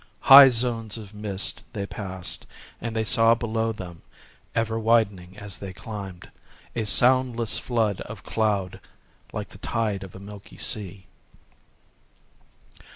High zones of mist they passed; and they saw below them, ever widening as they climbed, a soundless flood of cloud, like the tide of a milky sea.